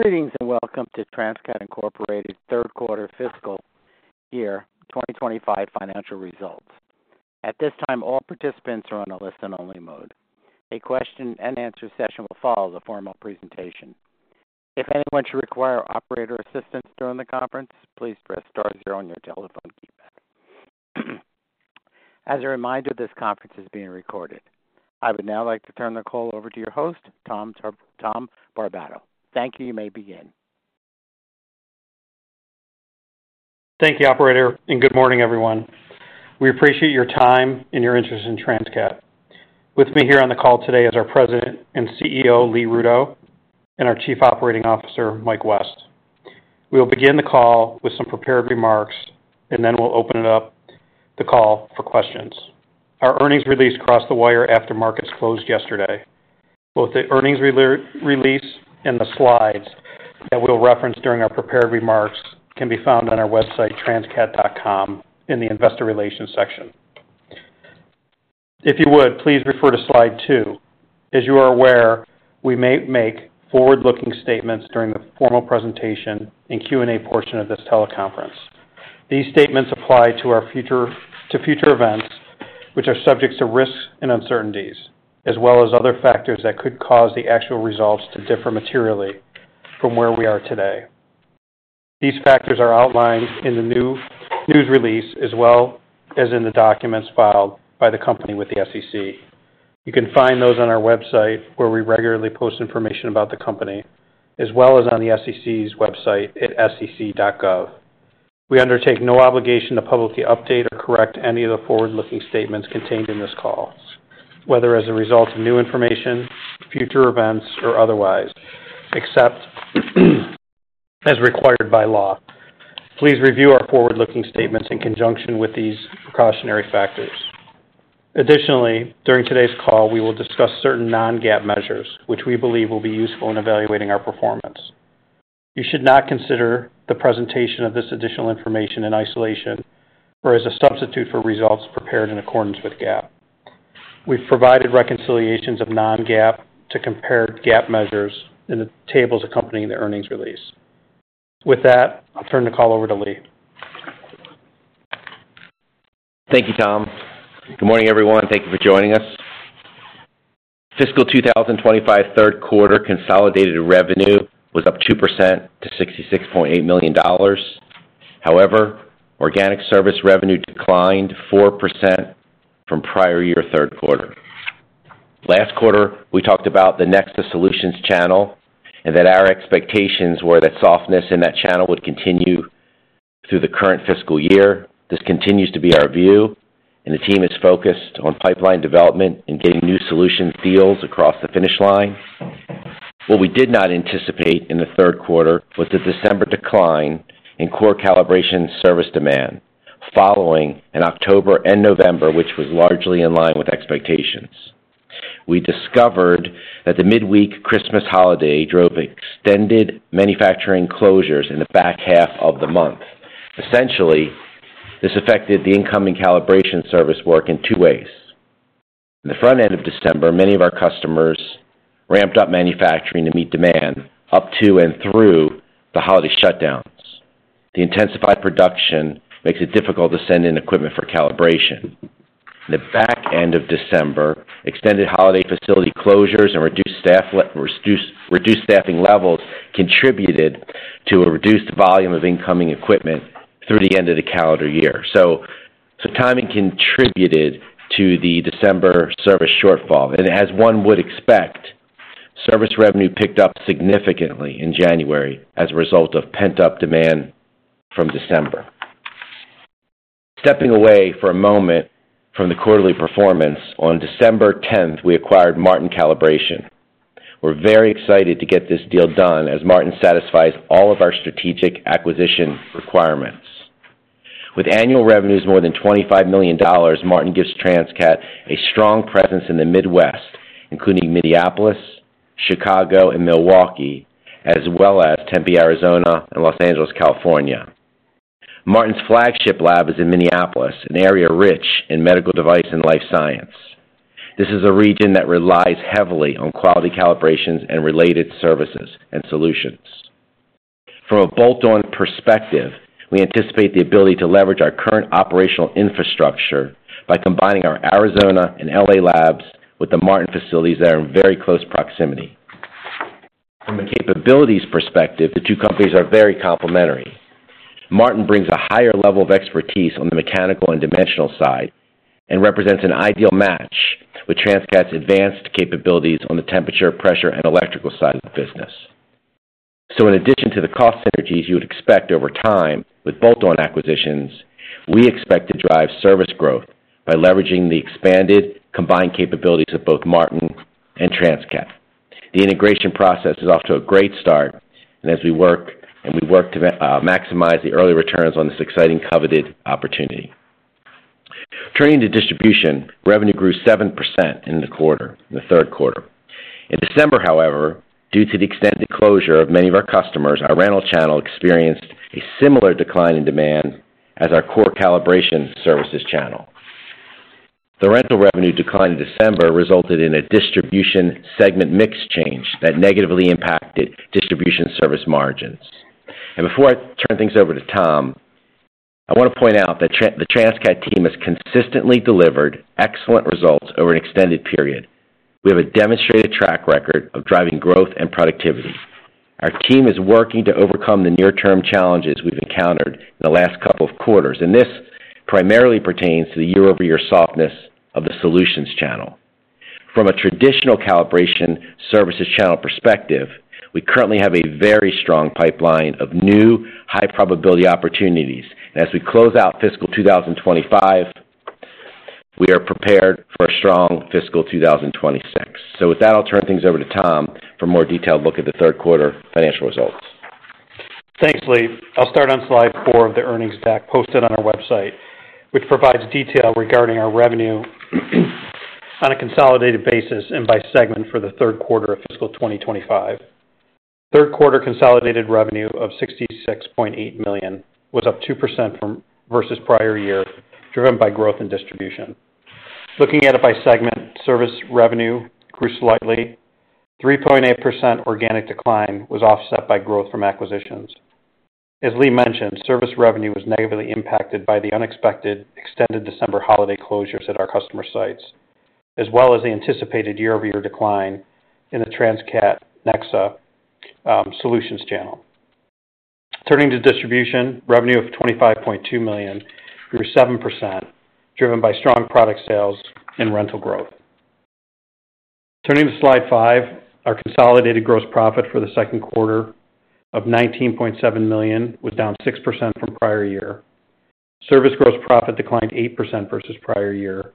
Greetings and welcome to Transcat, Inc.'s Third Quarter Fiscal Year 2025 Financial Results. At this time, all participants are on a listen-only mode. A question-and-answer session will follow the formal presentation. If anyone should require operator assistance during the conference, please press star zero on your telephone keypad. As a reminder, this conference is being recorded. I would now like to turn the call over to your host, Tom Barbato. Thank you. You may begin. Thank you, Operator, and good morning, everyone. We appreciate your time and your interest in Transcat. With me here on the call today is our President and CEO, Lee Rudow, and our Chief Operating Officer, Mike West. We will begin the call with some prepared remarks, and then we'll open it up, the call, for questions. Our earnings release crossed the wire after markets closed yesterday. Both the earnings release and the slides that we'll reference during our prepared remarks can be found on our website, transcat.com, in the Investor Relations section. If you would, please refer to slide two. As you are aware, we may make forward-looking statements during the formal presentation and Q&A portion of this teleconference. These statements apply to our future events, which are subject to risks and uncertainties, as well as other factors that could cause the actual results to differ materially from where we are today. These factors are outlined in the news release as well as in the documents filed by the company with the SEC. You can find those on our website, where we regularly post information about the company, as well as on the SEC's website at sec.gov. We undertake no obligation to publicly update or correct any of the forward-looking statements contained in this call, whether as a result of new information, future events, or otherwise, except as required by law. Please review our forward-looking statements in conjunction with these precautionary factors. Additionally, during today's call, we will discuss certain non-GAAP measures, which we believe will be useful in evaluating our performance. You should not consider the presentation of this additional information in isolation or as a substitute for results prepared in accordance with GAAP. We've provided reconciliations of Non-GAAP to comparable GAAP measures in the tables accompanying the earnings release. With that, I'll turn the call over to Lee. Thank you, Tom. Good morning, everyone. Thank you for joining us. Fiscal 2025 third quarter consolidated revenue was up 2% to $66.8 million. However, organic service revenue declined 4% from prior year third quarter. Last quarter, we talked about the Nexus Solutions channel and that our expectations were that softness in that channel would continue through the current fiscal year. This continues to be our view, and the team is focused on pipeline development and getting new solution deals across the finish line. What we did not anticipate in the third quarter was the December decline in core calibration service demand following in October and November, which was largely in line with expectations. We discovered that the midweek Christmas holiday drove extended manufacturing closures in the back half of the month. Essentially, this affected the incoming calibration service work in two ways. In the front end of December, many of our customers ramped up manufacturing to meet demand up to and through the holiday shutdowns. The intensified production makes it difficult to send in equipment for calibration. In the back end of December, extended holiday facility closures and reduced staffing levels contributed to a reduced volume of incoming equipment through the end of the calendar year. So timing contributed to the December service shortfall. And as one would expect, service revenue picked up significantly in January as a result of pent-up demand from December. Stepping away for a moment from the quarterly performance, on December 10th, we acquired Martin Calibration. We're very excited to get this deal done as Martin satisfies all of our strategic acquisition requirements. With annual revenues more than $25 million, Martin gives Transcat a strong presence in the Midwest, including Minneapolis, Chicago, and Milwaukee, as well as Tempe, Arizona, and Los Angeles, California. Martin's flagship lab is in Minneapolis, an area rich in medical device and life science. This is a region that relies heavily on quality calibrations and related services and solutions. From a bolt-on perspective, we anticipate the ability to leverage our current operational infrastructure by combining our Arizona and LA labs with the Martin facilities that are in very close proximity. From a capabilities perspective, the two companies are very complementary. Martin brings a higher level of expertise on the mechanical and dimensional side and represents an ideal match with Transcat's advanced capabilities on the temperature, pressure, and electrical side of the business. In addition to the cost synergies you would expect over time with bolt-on acquisitions, we expect to drive service growth by leveraging the expanded combined capabilities of both Martin and Transcat. The integration process is off to a great start, and as we work to maximize the early returns on this exciting coveted opportunity. Turning to distribution, revenue grew 7% in the quarter, in the third quarter. In December, however, due to the extended closure of many of our customers, our rental channel experienced a similar decline in demand as our core calibration services channel. The rental revenue decline in December resulted in a distribution segment mix change that negatively impacted distribution service margins. And before I turn things over to Tom, I want to point out that the Transcat team has consistently delivered excellent results over an extended period. We have a demonstrated track record of driving growth and productivity. Our team is working to overcome the near-term challenges we've encountered in the last couple of quarters, and this primarily pertains to the year-over-year softness of the solutions channel. From a traditional calibration services channel perspective, we currently have a very strong pipeline of new high-probability opportunities. And as we close out fiscal 2025, we are prepared for a strong fiscal 2026. So with that, I'll turn things over to Tom for a more detailed look at the third quarter financial results. Thanks, Lee. I'll start on slide four of the earnings deck posted on our website, which provides detail regarding our revenue on a consolidated basis and by segment for the third quarter of fiscal 2025. Third quarter consolidated revenue of $66.8 million was up 2% versus prior year, driven by growth in distribution. Looking at it by segment, service revenue grew slightly. 3.8% organic decline was offset by growth from acquisitions. As Lee mentioned, service revenue was negatively impacted by the unexpected extended December holiday closures at our customer sites, as well as the anticipated year-over-year decline in the Transcat Nexus Solutions channel. Turning to distribution, revenue of $25.2 million grew 7%, driven by strong product sales and rental growth. Turning to slide five, our consolidated gross profit for the second quarter of $19.7 million was down 6% from prior year. Service gross profit declined 8% versus prior year.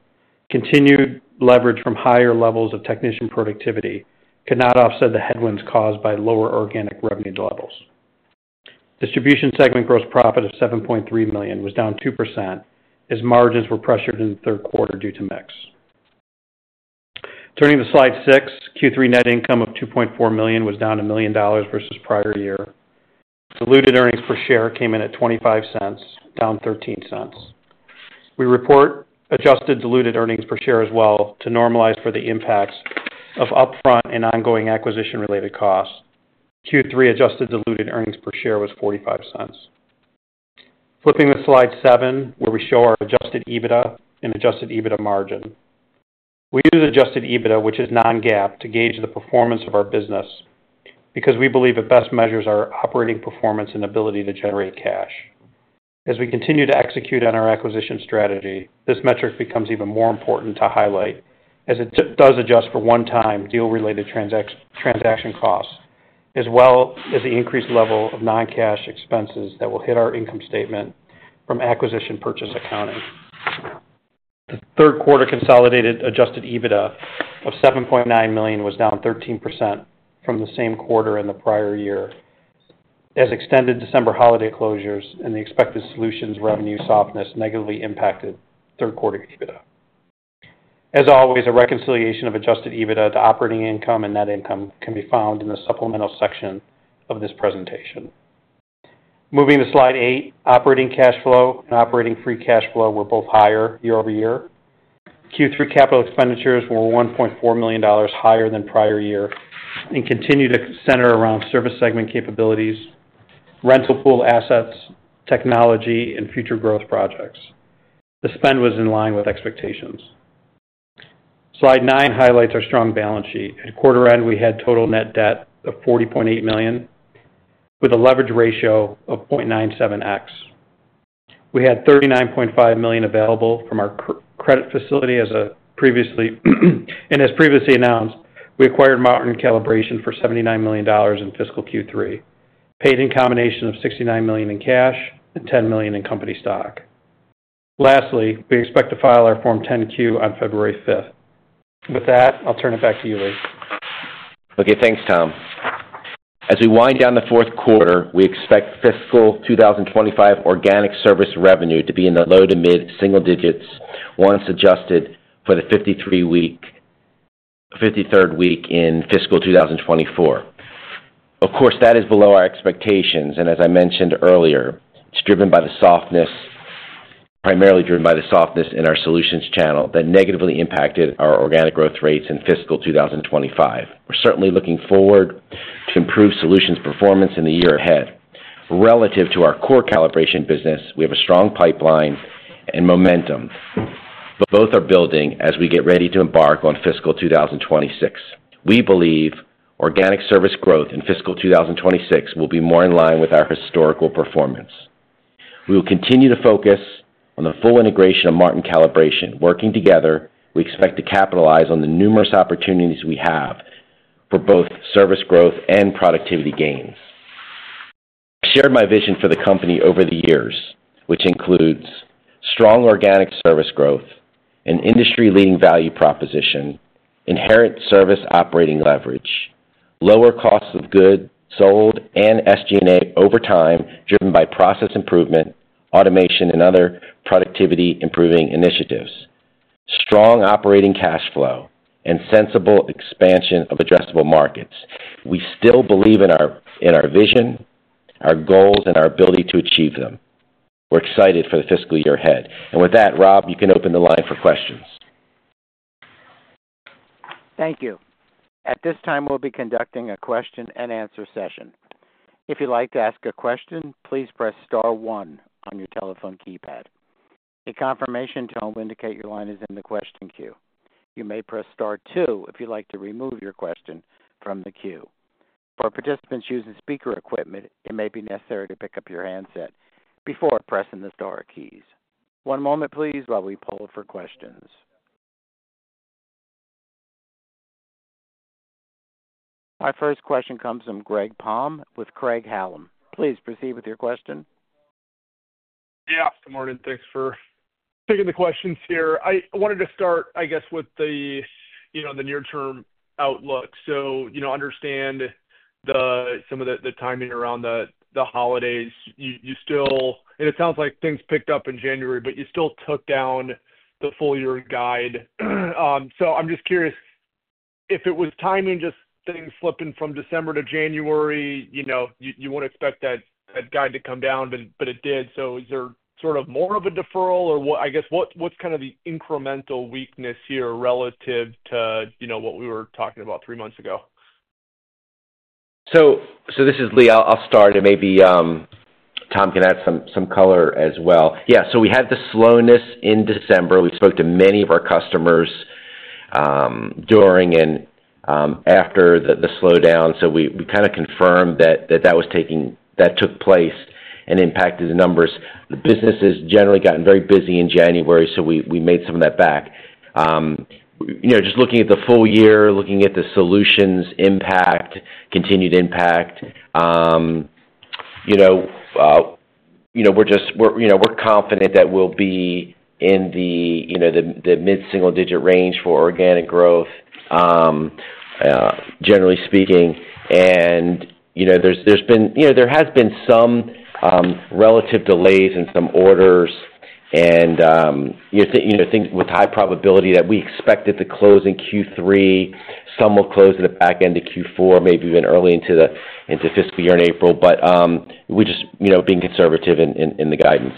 Continued leverage from higher levels of technician productivity could not offset the headwinds caused by lower organic revenue levels. Distribution segment gross profit of $7.3 million was down 2% as margins were pressured in the third quarter due to mix. Turning to slide six, Q3 net income of $2.4 million was down $1 million versus prior year. Diluted earnings per share came in at $0.25, down $0.13. We report adjusted diluted earnings per share as well to normalize for the impacts of upfront and ongoing acquisition-related costs. Q3 adjusted diluted earnings per share was $0.45. Flipping to slide seven, where we show our Adjusted EBITDA and Adjusted EBITDA margin. We use Adjusted EBITDA, which is non-GAAP, to gauge the performance of our business because we believe it best measures our operating performance and ability to generate cash. As we continue to execute on our acquisition strategy, this metric becomes even more important to highlight as it does adjust for one-time deal-related transaction costs, as well as the increased level of non-cash expenses that will hit our income statement from acquisition purchase accounting. The third quarter consolidated Adjusted EBITDA of $7.9 million was down 13% from the same quarter in the prior year, as extended December holiday closures and the expected solutions revenue softness negatively impacted third quarter EBITDA. As always, a reconciliation of Adjusted EBITDA to operating income and net income can be found in the supplemental section of this presentation. Moving to slide eight, operating cash flow and operating free cash flow were both higher year-over-year. Q3 capital expenditures were $1.4 million higher than prior year and continue to center around service segment capabilities, rental pool assets, technology, and future growth projects. The spend was in line with expectations. Slide nine highlights our strong balance sheet. At quarter end, we had total net debt of $40.8 million with a leverage ratio of 0.97x. We had $39.5 million available from our credit facility as previously announced. We acquired Martin Calibration for $79 million in fiscal Q3, paid in combination of $69 million in cash and $10 million in company stock. Lastly, we expect to file our Form 10-Q on February 5th. With that, I'll turn it back to you, Lee. Okay. Thanks, Tom. As we wind down the fourth quarter, we expect fiscal 2025 organic service revenue to be in the low to mid single digits once adjusted for the 53rd week in fiscal 2024. Of course, that is below our expectations, and as I mentioned earlier, it's driven by the softness, primarily driven by the softness in our solutions channel that negatively impacted our organic growth rates in fiscal 2025. We're certainly looking forward to improved solutions performance in the year ahead. Relative to our core calibration business, we have a strong pipeline and momentum. Both are building as we get ready to embark on fiscal 2026. We believe organic service growth in fiscal 2026 will be more in line with our historical performance. We will continue to focus on the full integration of Martin Calibration. Working together, we expect to capitalize on the numerous opportunities we have for both service growth and productivity gains. I shared my vision for the company over the years, which includes strong organic service growth, an industry-leading value proposition, inherent service operating leverage, lower costs of goods sold and SG&A over time, driven by process improvement, automation, and other productivity-improving initiatives, strong operating cash flow, and sensible expansion of addressable markets. We still believe in our vision, our goals, and our ability to achieve them. We're excited for the fiscal year ahead. And with that, Rob, you can open the line for questions. Thank you. At this time, we'll be conducting a question-and-answer session. If you'd like to ask a question, please press star one on your telephone keypad. A confirmation tone will indicate your line is in the question queue. You may press star two if you'd like to remove your question from the queue. For participants using speaker equipment, it may be necessary to pick up your handset before pressing the star keys. One moment, please, while we pull for questions. Our first question comes from Greg Palm with Craig-Hallum. Please proceed with your question. Yeah. Good morning. Thanks for taking the questions here. I wanted to start, I guess, with the near-term outlook. So understand some of the timing around the holidays. And it sounds like things picked up in January, but you still took down the full-year guide. So I'm just curious if it was timing, just things slipping from December to January, you wouldn't expect that guide to come down, but it did. So is there sort of more of a deferral? Or I guess, what's kind of the incremental weakness here relative to what we were talking about three months ago? So this is Lee. I'll start, and maybe Tom can add some color as well. Yeah. So we had the slowness in December. We spoke to many of our customers during and after the slowdown. So we kind of confirmed that that took place and impacted the numbers. The business has generally gotten very busy in January, so we made some of that back. Just looking at the full year, looking at the solutions impact, continued impact, we're confident that we'll be in the mid-single-digit range for organic growth, generally speaking. And there has been some relative delays in some orders and things with high probability that we expected to close in Q3. Some will close at the back end of Q4, maybe even early into fiscal year in April. But we're just being conservative in the guidance.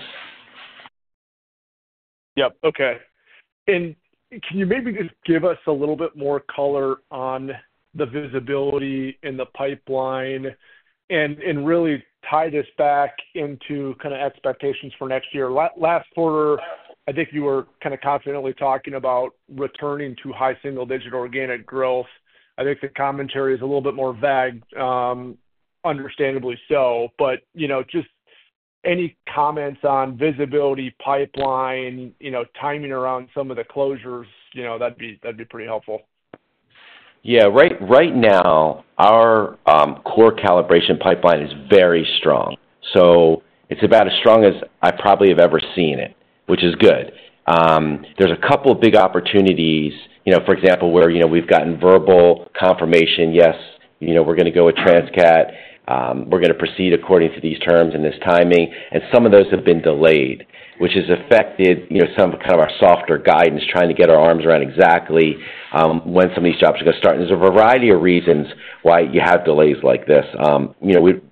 Yep. Okay. And can you maybe just give us a little bit more color on the visibility in the pipeline and really tie this back into kind of expectations for next year? Last quarter, I think you were kind of confidently talking about returning to high single-digit organic growth. I think the commentary is a little bit more vague, understandably so. But just any comments on visibility, pipeline, timing around some of the closures, that'd be pretty helpful. Yeah. Right now, our core calibration pipeline is very strong. So it's about as strong as I probably have ever seen it, which is good. There's a couple of big opportunities, for example, where we've gotten verbal confirmation, "Yes, we're going to go with Transcat. We're going to proceed according to these terms and this timing." And some of those have been delayed, which has affected some of kind of our softer guidance, trying to get our arms around exactly when some of these jobs are going to start. And there's a variety of reasons why you have delays like this.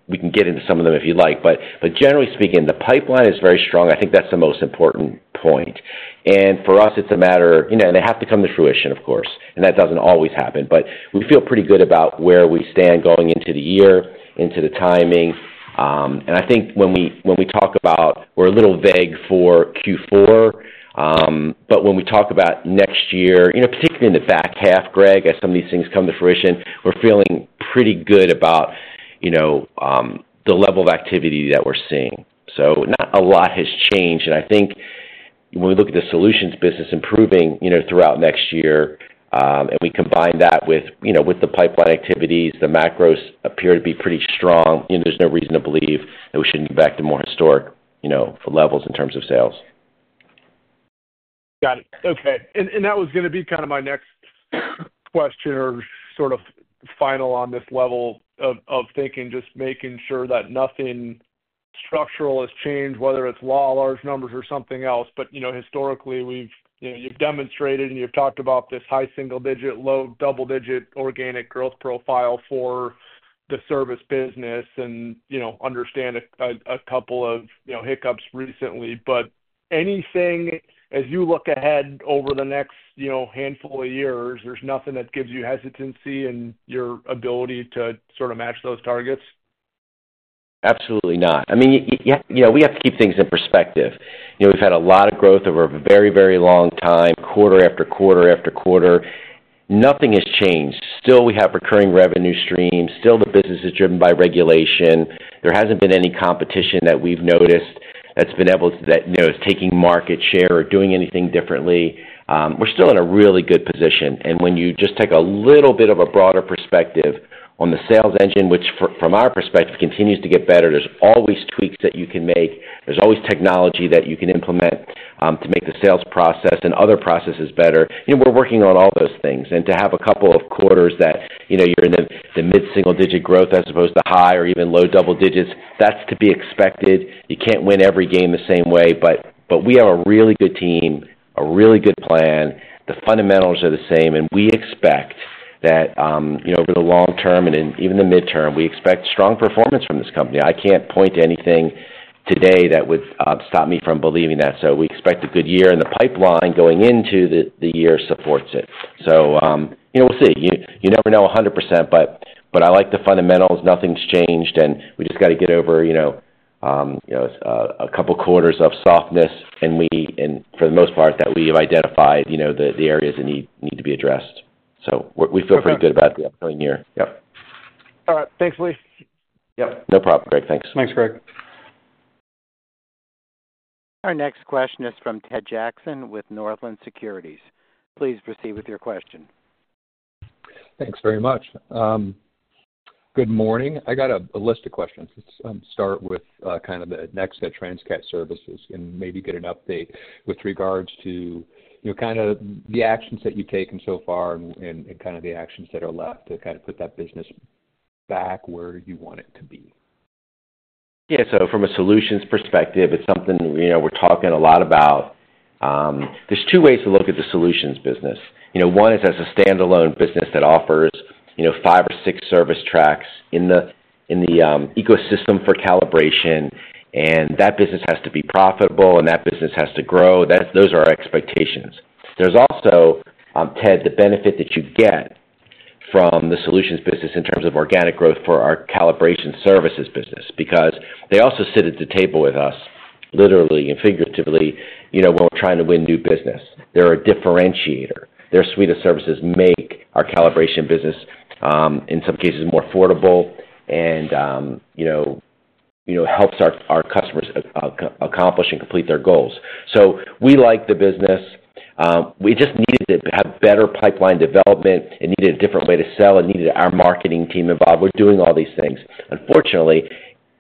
We can get into some of them if you'd like. But generally speaking, the pipeline is very strong. I think that's the most important point. And for us, it's a matter and they have to come to fruition, of course. And that doesn't always happen. But we feel pretty good about where we stand going into the year, into the timing. And I think when we talk about, we're a little vague for Q4. But when we talk about next year, particularly in the back half, Greg, as some of these things come to fruition, we're feeling pretty good about the level of activity that we're seeing. So not a lot has changed. And I think when we look at the solutions business improving throughout next year, and we combine that with the pipeline activities, the macros appear to be pretty strong. There's no reason to believe that we shouldn't get back to more historic levels in terms of sales. Got it. Okay. And that was going to be kind of my next question or sort of final on this level of thinking, just making sure that nothing structural has changed, whether it's law, large numbers, or something else. But historically, you've demonstrated and you've talked about this high single-digit, low double-digit organic growth profile for the service business and understand a couple of hiccups recently. But as you look ahead over the next handful of years, there's nothing that gives you hesitancy in your ability to sort of match those targets? Absolutely not. I mean, we have to keep things in perspective. We've had a lot of growth over a very, very long time, quarter after quarter after quarter. Nothing has changed. Still, we have recurring revenue streams. Still, the business is driven by regulation. There hasn't been any competition that we've noticed that's been able to take market share or doing anything differently. We're still in a really good position. And when you just take a little bit of a broader perspective on the sales engine, which from our perspective continues to get better, there's always tweaks that you can make. There's always technology that you can implement to make the sales process and other processes better. We're working on all those things. And to have a couple of quarters that you're in the mid-single-digit growth as opposed to high or even low double digits, that's to be expected. You can't win every game the same way. But we have a really good team, a really good plan. The fundamentals are the same. And we expect that over the long term and even the midterm, we expect strong performance from this company. I can't point to anything today that would stop me from believing that. So we expect a good year. And the pipeline going into the year supports it. So we'll see. You never know 100%. But I like the fundamentals. Nothing's changed. And we just got to get over a couple of quarters of softness. And for the most part, that we have identified the areas that need to be addressed. So we feel pretty good about the upcoming year. Yep. All right. Thanks, Lee. Yep. No problem, Greg. Thanks. Thanks, Greg. Our next question is from Ted Jackson with Northland Securities. Please proceed with your question. Thanks very much. Good morning. I got a list of questions. Let's start with kind of the next set of Transcat services and maybe get an update with regards to kind of the actions that you've taken so far and kind of the actions that are left to kind of put that business back where you want it to be. Yeah. So from a solutions perspective, it's something we're talking a lot about. There's two ways to look at the solutions business. One is as a standalone business that offers five or six service tracks in the ecosystem for calibration. And that business has to be profitable, and that business has to grow. Those are our expectations. There's also, Ted, the benefit that you get from the solutions business in terms of organic growth for our calibration services business because they also sit at the table with us, literally and figuratively, when we're trying to win new business. They're a differentiator. Their suite of services make our calibration business, in some cases, more affordable and helps our customers accomplish and complete their goals. So we like the business. We just needed to have better pipeline development. It needed a different way to sell. It needed our marketing team involved. We're doing all these things. Unfortunately,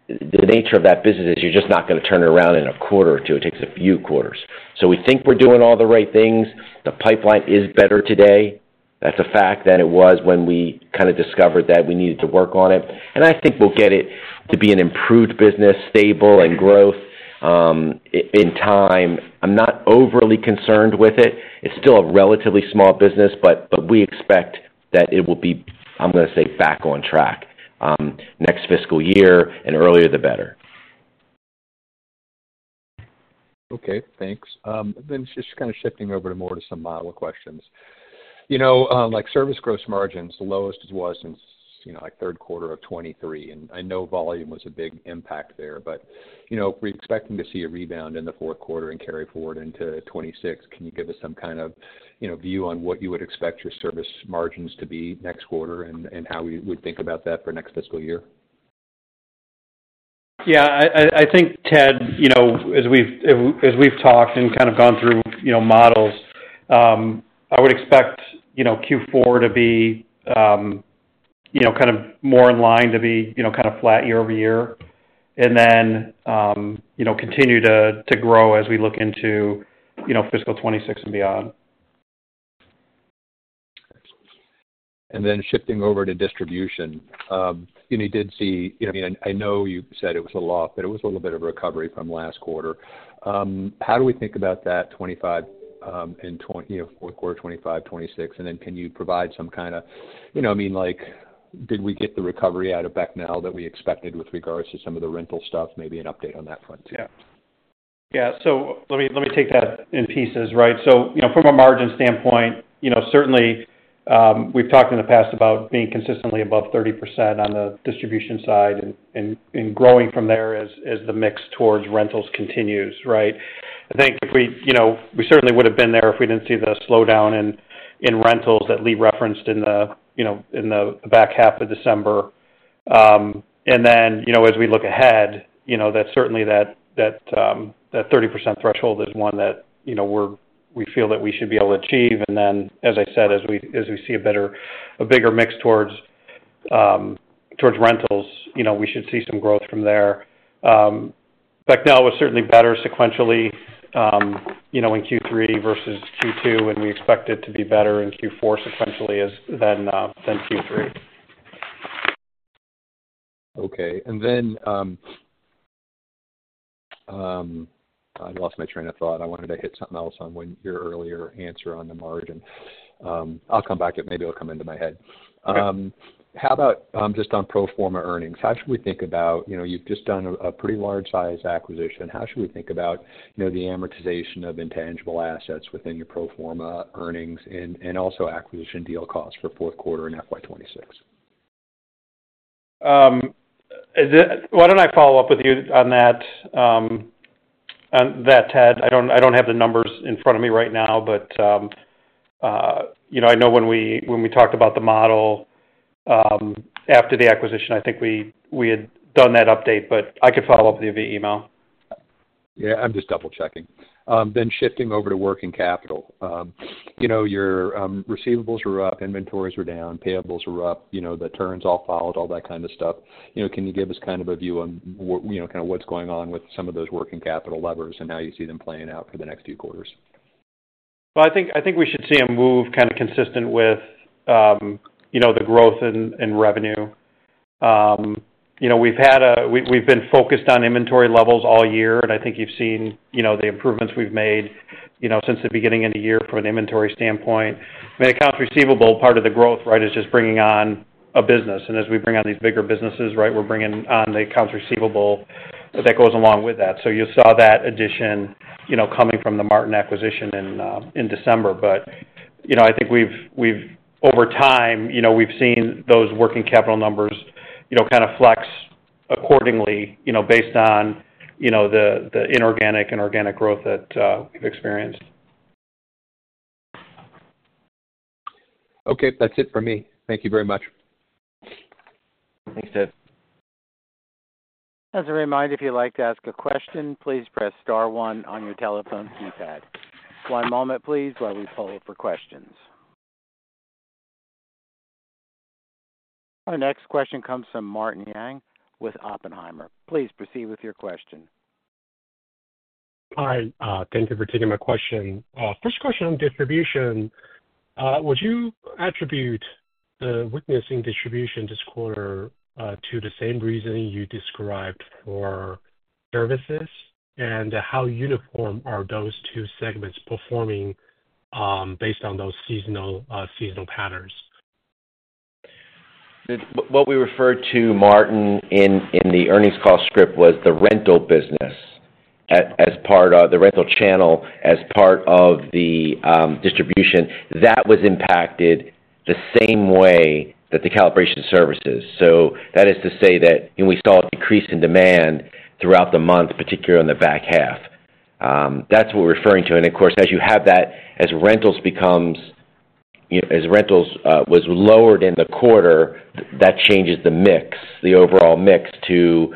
the nature of that business is you're just not going to turn it around in a quarter or two. It takes a few quarters, so we think we're doing all the right things. The pipeline is better today. That's a fact than it was when we kind of discovered that we needed to work on it, and I think we'll get it to be an improved business, stable, and growth in time. I'm not overly concerned with it. It's still a relatively small business, but we expect that it will be, I'm going to say, back on track next fiscal year, and earlier, the better. Okay. Thanks. Then just kind of shifting over more to some model questions. Like service gross margins, the lowest was since third quarter of 2023. And I know volume was a big impact there. But we're expecting to see a rebound in the fourth quarter and carry forward into 2026. Can you give us some kind of view on what you would expect your service margins to be next quarter and how we would think about that for next fiscal year? Yeah. I think, Ted, as we've talked and kind of gone through models, I would expect Q4 to be kind of more in line to be kind of flat year-over-year and then continue to grow as we look into fiscal 2026 and beyond. And then shifting over to distribution, you did see. I mean, I know you said it was a loss, but it was a little bit of recovery from last quarter. How do we think about that 2025 and fourth quarter 2025, 2026? And then can you provide some kind of. I mean, did we get the recovery out of Becnel that we expected with regards to some of the rental stuff? Maybe an update on that front too. Yeah. Yeah. So let me take that in pieces, right? So from a margin standpoint, certainly, we've talked in the past about being consistently above 30% on the distribution side and growing from there as the mix towards rentals continues, right? I think we certainly would have been there if we didn't see the slowdown in rentals that Lee referenced in the back half of December. And then as we look ahead, certainly, that 30% threshold is one that we feel that we should be able to achieve. And then, as I said, as we see a bigger mix towards rentals, we should see some growth from there. Becnel was certainly better sequentially in Q3 versus Q2, and we expect it to be better in Q4 sequentially than Q3. Okay, and then I lost my train of thought. I wanted to hit something else on your earlier answer on the margin. I'll come back. Maybe it'll come into my head. How about just on pro forma earnings? How should we think about you've just done a pretty large-sized acquisition. How should we think about the amortization of intangible assets within your pro forma earnings and also acquisition deal costs for fourth quarter in FY26? Why don't I follow up with you on that, Ted? I don't have the numbers in front of me right now, but I know when we talked about the model after the acquisition, I think we had done that update. But I could follow up with you via email. Yeah. I'm just double-checking. Then shifting over to working capital. Your receivables are up, inventories are down, payables are up, the turns all filed, all that kind of stuff. Can you give us kind of a view on kind of what's going on with some of those working capital levers and how you see them playing out for the next few quarters? I think we should see them move kind of consistent with the growth in revenue. We've been focused on inventory levels all year, and I think you've seen the improvements we've made since the beginning of the year from an inventory standpoint. I mean, accounts receivable, part of the growth, right, is just bringing on a business. As we bring on these bigger businesses, right, we're bringing on the accounts receivable that goes along with that. You saw that addition coming from the Martin acquisition in December. I think over time, we've seen those working capital numbers kind of flex accordingly based on the inorganic and organic growth that we've experienced. Okay. That's it for me. Thank you very much. Thanks, Ted. As a reminder, if you'd like to ask a question, please press star one on your telephone keypad. One moment, please, while we pull up for questions. Our next question comes from Martin Yang with Oppenheimer. Please proceed with your question. Hi. Thank you for taking my question. First question on distribution. Would you attribute the weakness in distribution this quarter to the same reason you described for services? And how uniform are those two segments performing based on those seasonal patterns? What we referred to, Martin, in the earnings call script was the rental business as part of the rental channel as part of the distribution. That was impacted the same way that the calibration services, so that is to say that we saw a decrease in demand throughout the month, particularly in the back half. That's what we're referring to, and of course, as you have that, as rentals was lowered in the quarter, that changes the mix, the overall mix to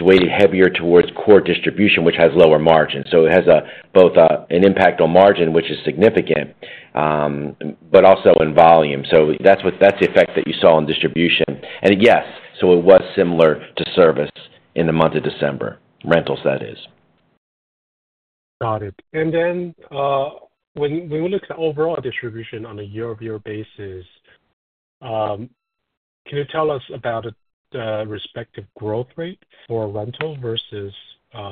weighted heavier towards core distribution, which has lower margins, so it has both an impact on margin, which is significant, but also in volume, so that's the effect that you saw in distribution, and yes, so it was similar to service in the month of December, rentals, that is. Got it. And then when we look at overall distribution on a year-over-year basis, can you tell us about the respective growth rate for rental versus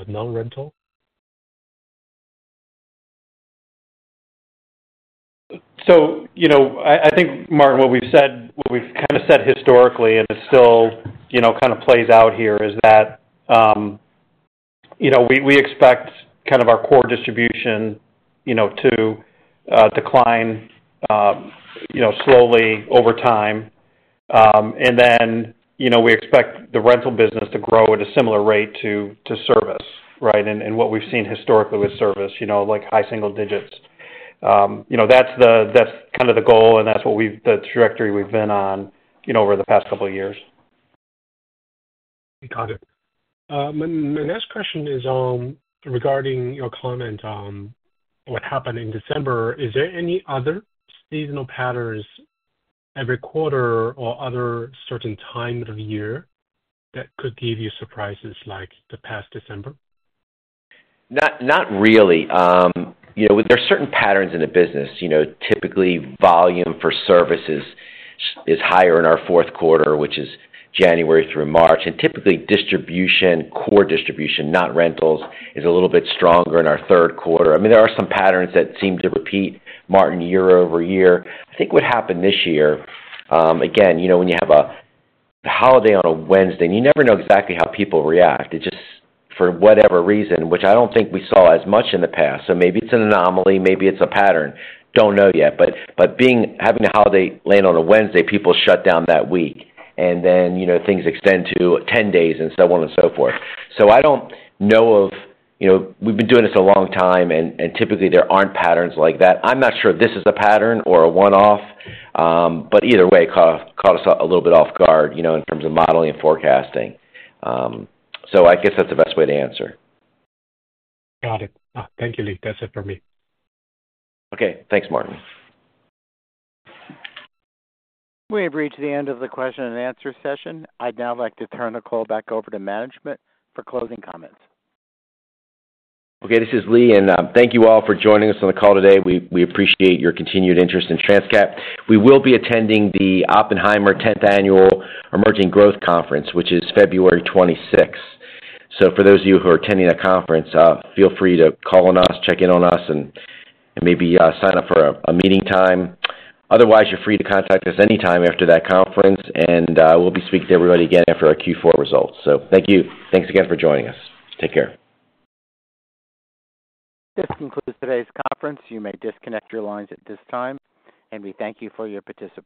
non-rental? So I think, Martin, what we've kind of said historically, and it still kind of plays out here, is that we expect kind of our core distribution to decline slowly over time. And then we expect the rental business to grow at a similar rate to service, right? And what we've seen historically with service, like high single digits. That's kind of the goal, and that's the trajectory we've been on over the past couple of years. Got it. My next question is regarding your comment on what happened in December. Is there any other seasonal patterns every quarter or other certain time of year that could give you surprises like the past December? Not really. There are certain patterns in the business. Typically, volume for services is higher in our fourth quarter, which is January through March. And typically, distribution, core distribution, not rentals, is a little bit stronger in our third quarter. I mean, there are some patterns that seem to repeat, Martin, year-over-year. I think what happened this year, again, when you have a holiday on a Wednesday, and you never know exactly how people react. It's just for whatever reason, which I don't think we saw as much in the past. So maybe it's an anomaly. Maybe it's a pattern. Don't know yet. But having a holiday land on a Wednesday, people shut down that week. And then things extend to 10 days and so on and so forth. So I don't know if we've been doing this a long time, and typically, there aren't patterns like that. I'm not sure if this is a pattern or a one-off, but either way, it caught us a little bit off guard in terms of modeling and forecasting, so I guess that's the best way to answer. Got it. Thank you, Lee. That's it for me. Okay. Thanks, Martin. We have reached the end of the question and answer session. I'd now like to turn the call back over to management for closing comments. Okay. This is Lee, and thank you all for joining us on the call today. We appreciate your continued interest in Transcat. We will be attending the Oppenheimer 10th Annual Emerging Growth Conference, which is February 26th. So for those of you who are attending that conference, feel free to call on us, check in on us, and maybe sign up for a meeting time. Otherwise, you're free to contact us anytime after that conference, and we'll be speaking to everybody again after our Q4 results, so thank you. Thanks again for joining us. Take care. This concludes today's conference. You may disconnect your lines at this time, and we thank you for your participation.